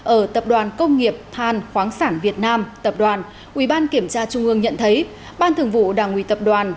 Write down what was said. ở tập đoàn công nghiệp than khoáng sản việt nam tập đoàn ubnd tp hcm nhận thấy ban thường vụ đảng ủy tập đoàn